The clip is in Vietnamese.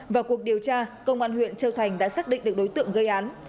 vào cuộc điều tra công an huyện châu thành đã xác định được đối tượng gây án